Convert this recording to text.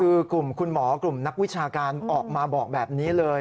คือกลุ่มคุณหมอกลุ่มนักวิชาการออกมาบอกแบบนี้เลย